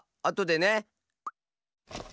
あとでね。